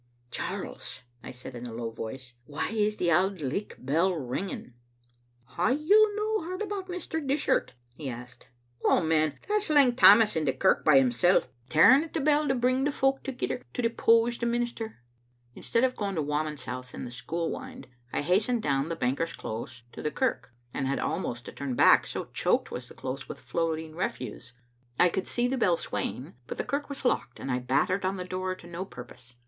" "Charles," I said in a low voice, "why is the Auld Licht bell ringing?" " Hae you no heard about Mr. Dishart?" he asked. " Oh, man I that's Lang Tammas in the kirk by himsel', Digitized by VjOOQ IC SIS li; be XittU Afnfstet. tearing at the bell to bring the folk thegither to depose the minister." Instead of going to Whamond's house in the school wynd I hastened do¥m the Banker's close to the kirk, and had almost to turn back, so choked was the close with floating refuse. I could see the bell swaying, but the kirk was locked, and I battered on. the door to no purpose.